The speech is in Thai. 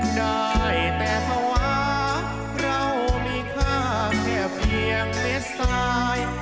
ได้แต่ภาวะเรามีค่าแค่เพียงเม็ดซ้าย